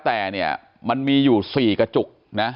แต่มันมีอยู่๔กระจุก